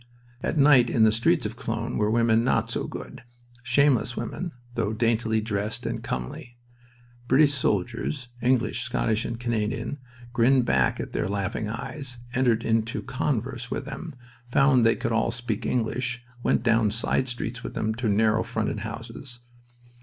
At night, in the streets of Cologne, were women not so good. Shameless women, though daintily dressed and comely. British soldiers English, Scottish, and Canadian grinned back at their laughing eyes, entered into converse with them, found they could all speak English, went down side streets with them to narrow fronted houses.